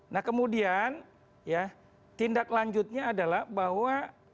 nah kemudian ya tindak lanjutnya adalah bahwa